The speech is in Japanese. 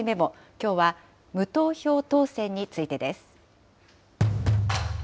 きょうは無投票当選についてです。